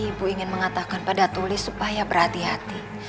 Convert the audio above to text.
ibu ingin mengatakan pada tulis supaya berhati hati